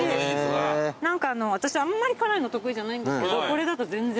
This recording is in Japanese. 何か私あんまり辛いの得意じゃないんですけどこれだと全然。